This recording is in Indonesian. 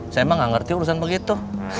saya emang gak ngerti urusan begitu